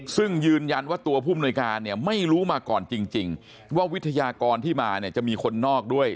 ซึ่งยืนยันว่าตัวผู้มนุยการเนี่ยไม่รู้มาก่อนจริงว่าวิทยากรที่มาเนี่ยจะมีคนนอกด้วย